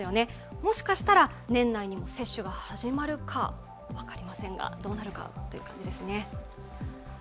もしかしたら、年内にも接種が始まるか分かりませんが、どうなるかという感じですね。